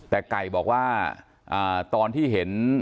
แต่ไก่บอกว่าตอนที่เห็น